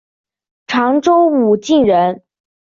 常州武进人。